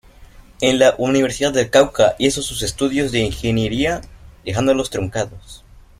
En la Universidad del Cauca hizo sus estudios de Ingeniería, dejándolos truncados.